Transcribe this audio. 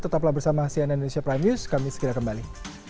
tetaplah bersama sian indonesia prime news kami segera kembali